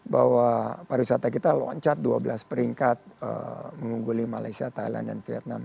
bahwa pariwisata kita loncat dua belas peringkat mengungguli malaysia thailand dan vietnam